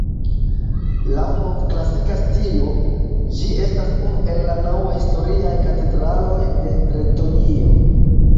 Laŭ novklasika stilo, ĝi estas unu el la naŭ historiaj katedraloj de Bretonio.